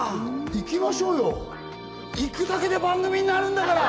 行きましょうよ行くだけで番組になるんだから！